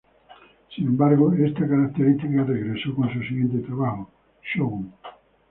Sin embargo, esta característica regresó con su siguiente trabajo, "Shogun".